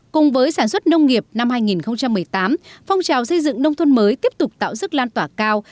cùng với sản xuất nông nghiệp năm hai nghìn một mươi tám phong trào xây dựng nông thôn mới tiếp tục tạo sức lan tỏa cao